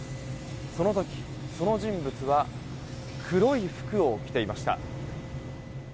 その時その人物は黒い服を着ていました。